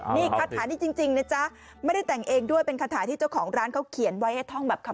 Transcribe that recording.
นี่คาถานี้จริงนะจ๊ะไม่ได้แต่งเองด้วยเป็นคาถาที่เจ้าของร้านเขาเขียนไว้ให้ท่องแบบคำ